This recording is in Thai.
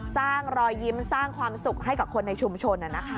สร้างรอยยิ้มสร้างความสุขให้กับคนในชุมชน